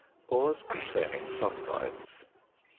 ~Ores containing Sulphides.